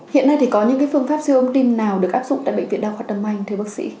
hiện nay thì có những phương pháp siêu âm tim nào được áp dụng tại bệnh viện đa khoa tâm anh thưa bác sĩ